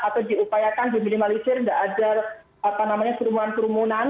terus diupayakan diminimalisir nggak ada apa namanya kerumunan kerumunan